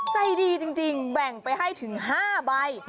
ใจดีจริงแบ่งไปให้ถึง๕ใบ